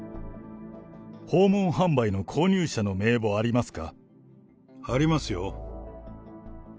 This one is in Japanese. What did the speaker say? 訪問販売の購入者の名簿ありますか？